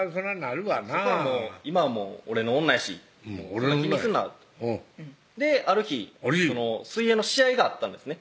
「今はもう俺の女やし気にすんな」とである日水泳の試合があったんですね